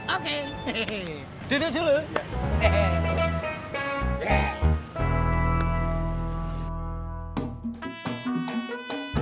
oke duduk dulu